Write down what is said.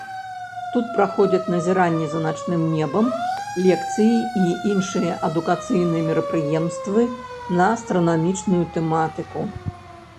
Тут праходзяць назіранні за начным небам, лекцыі і іншыя адукацыйныя мерапрыемствы на астранамічную тэматыку.